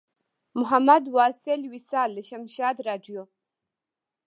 محمد واصل وصال له شمشاد راډیو.